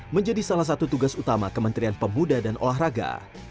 menjadi salah satu tugas utama kementerian pemuda dan olahraga